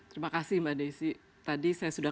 terima kasih mbak desi tadi saya sudah